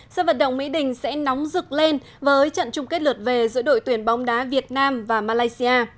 sân vận động mỹ đình sẽ nóng rực lên với trận chung kết lượt về giữa đội tuyển bóng đá việt nam và malaysia